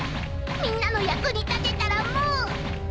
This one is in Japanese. みんなの役にたてたらもう。